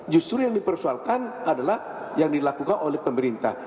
justru yang dipersoalkan adalah yang dilakukan oleh pemerintah